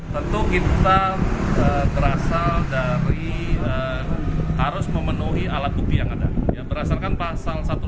tentu kita berasal dari harus memenuhi alat bukti yang ada berdasarkan pasal satu ratus enam puluh